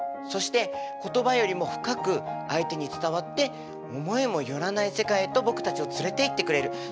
そして言葉よりも深く相手に伝わって思いも寄らない世界へと僕たちを連れていってくれる。